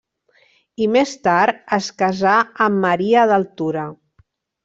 I més tard es casà amb Maria d'Altura.